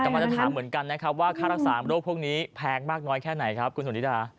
กำลังจะถามเหมือนกันนะครับว่าค่ารักษาโรคพวกนี้แพงมากน้อยแค่ไหนครับคุณสุนิดา